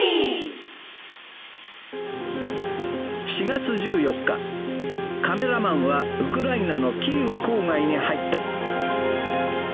４月１４日、カメラマンはウクライナのキーウ郊外に入った。